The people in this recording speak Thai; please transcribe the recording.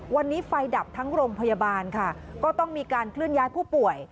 วันนี้ไฟดับทั้งโรงพยาบาลค่ะก็ต้องมีการเคลื่อนย้ายผู้ป่วย